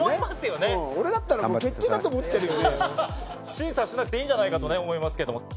審査しなくていいんじゃないかと思いますけども。